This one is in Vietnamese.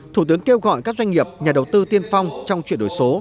thủ tướng kêu gọi các doanh nghiệp nhà đầu tư tiên phong trong chuyển đổi số